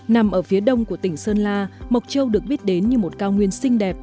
nằm ở phía đông của tỉnh sơn la mộc châu được biết đến như một cao nguyên xinh đẹp